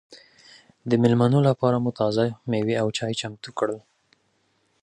د مېلمنو لپاره مو تازه مېوې او چای چمتو کړل.